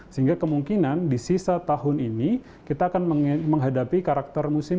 sehingga kemungkinan di sisa tahun ini kita akan menghadapi karakter musim